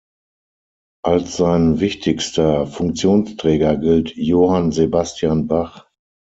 Als sein wichtigster Funktionsträger gilt Johann Sebastian Bach.